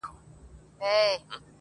غزل-عبدالباري جهاني-